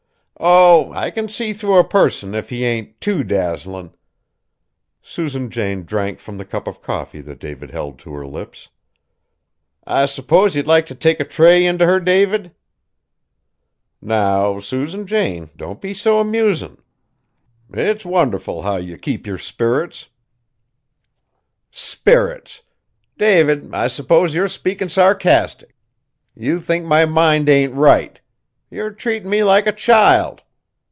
"Oh! I can see through a person if he ain't too dazzlin'!" Susan Jane drank from the cup of coffee that David held to her lips. "I s'pose you'd like t' take a tray int' her, David?" "Now, Susan Jane, don't be so amusin'! It's wonderful how ye keep yer spirits." "Spirits! David, I s'pose you're speakin' sarcastic. You think my mind ain't right. You're treatin' me like a child!"